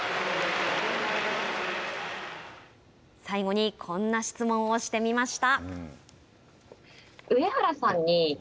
最後にこんな質問をしてみました。